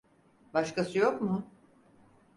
Başkası yok mu?